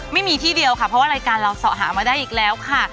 ไม่มีที่เดียวค่ะเพราะว่ารายการเราสอหามาได้อีกแล้วค่ะ